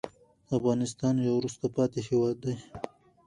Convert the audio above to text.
افغانستان يو وروسته پاتې هېواد دې